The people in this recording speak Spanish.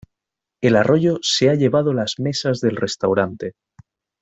El arroyo se ha llevado las mesas del restaurante.